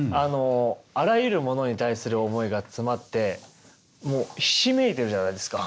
あらゆるものに対する思いが詰まってもうひしめいてるじゃないですか。